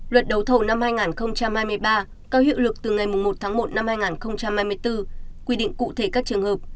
luật đầu thầu năm hai nghìn hai mươi ba cao hiệu lực từ ngày một một hai nghìn hai mươi bốn quy định cụ thể các trường hợp